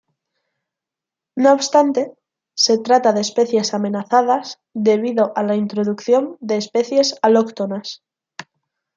No obstante, se trata de especies amenazadas debido a la introducción de especies alóctonas.